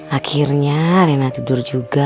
akhirnya rina tidur juga